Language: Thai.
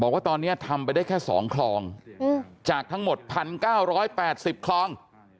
บอกว่าตอนนี้ทำไปได้แค่๒คลองจากทั้งหมด๑๙๘๐คลอง